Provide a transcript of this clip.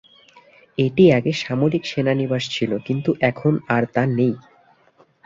এটি আগে সামরিক সেনানিবাস ছিল, কিন্তু এখন আর তা নেই।